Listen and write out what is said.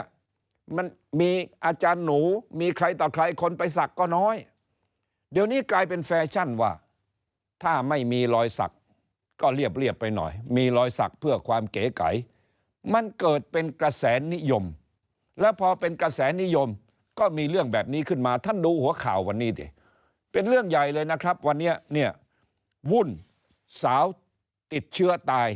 มันมีอาจารย์หนูมีใครต่อใครคนไปศักดิ์ก็น้อยเดี๋ยวนี้กลายเป็นแฟชั่นว่าถ้าไม่มีรอยสักก็เรียบไปหน่อยมีรอยสักเพื่อความเก๋ไก่มันเกิดเป็นกระแสนิยมแล้วพอเป็นกระแสนิยมก็มีเรื่องแบบนี้ขึ้นมาท่านดูหัวข่าววันนี้ดิเป็นเรื่องใหญ่เลยนะครับวันนี้เนี่ยวุ่นสาวติดเชื้อตาย